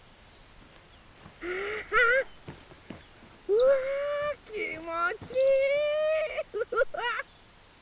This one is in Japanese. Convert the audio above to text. うわきもちいい！